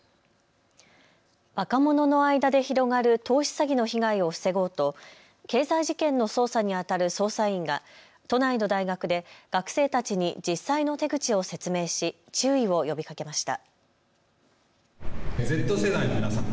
若者の間で広がる投資詐欺の被害を防ごうと経済事件の捜査にあたる捜査員が都内の大学で学生たちに実際の手口を説明し注意を呼びかけました。